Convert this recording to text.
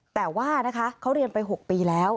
แต่ว่านะคะเขาเรียนไป๖ปีแล้ว